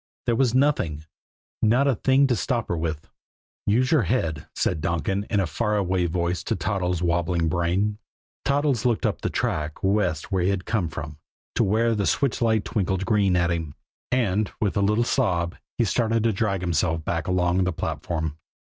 There was nothing not a thing to stop her with. "Use your head," said Donkin in a far away voice to Toddles' wobbling brain. Toddles looked up the track west where he had come from to where the switch light twinkled green at him and, with a little sob, he started to drag himself back along the platform.